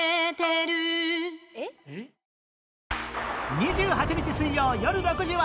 ２８日水曜よる６時は